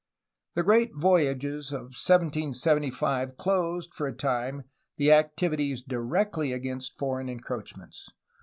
The great voyages of 1775 closed, for a time, the activities directly against foreign encroachments.